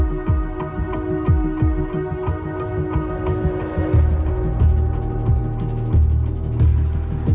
นี่ถ้าแม่อยู่นะแม่เอ้อบอกลูกแม่เอามาเล่นกับเรานี้